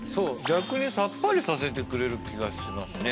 逆にさっぱりさせてくれる気がしますね